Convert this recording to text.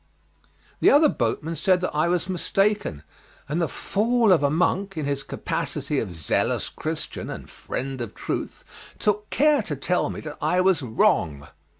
The other boatman said that I was mistaken, and the fool of a monk, in his capacity of zealous Christian and friend of truth, took care to tell me that I was wrong.